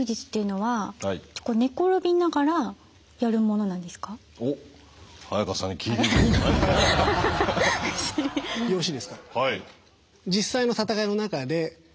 はい。